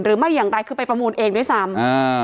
หรือไม่อย่างไรคือไปประมูลเองด้วยซ้ำ